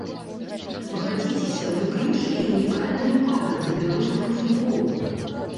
Пагадзіцеся, выключны і ўнікальны выпадак для беларускага футбола.